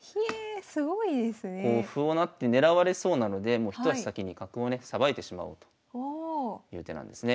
こう歩を成って狙われそうなのでもう一足先に角をねさばいてしまおうという手なんですね。